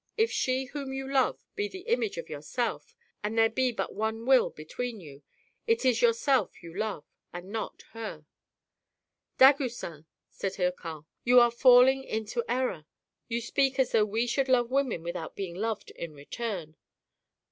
If she whom you love be the image of yourself, and there be but one will between you, it is yourself you love, and not her." "Dagoucin," said Hircan, "you are falling into error. You speak as though we should love women without being loved in return."